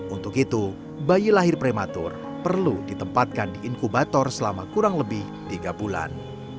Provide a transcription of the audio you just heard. untuk itu bayi lahir prematur perlu ditempatkan di inkubator selama kurang lebih tiga bulan